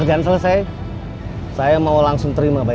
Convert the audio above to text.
orang saya langsung tergerak